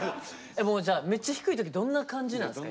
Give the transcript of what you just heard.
もうじゃあめっちゃ低い時どんな感じなんすか？